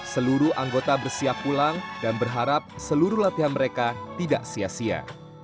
seluruh anggota bersiap pulang dan berharap seluruh latihan mereka tidak sia sia